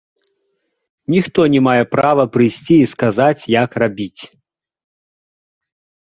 Ніхто не мае права прыйсці і сказаць, як рабіць.